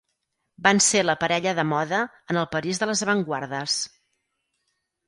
Van ser la parella de moda en el París de les avantguardes.